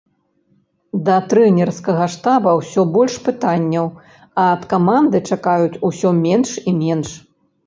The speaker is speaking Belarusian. Да трэнерскага штаба ўсё больш пытанняў, а ад каманды чакаюць усё менш і менш.